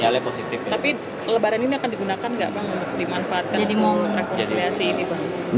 jadi mau rekonsiliasi ini bang